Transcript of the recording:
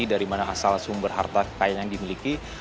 dari mana asal sumber harta kekayaan yang dimiliki